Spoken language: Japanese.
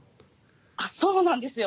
あそうなんですよ。